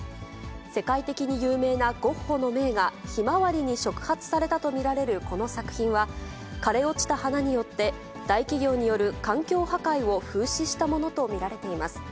世界的に有名なゴッホの名画、ひまわりに触発されたと見られるこの作品は、枯れ落ちた花によって、大企業による環境破壊を風刺したものと見られています。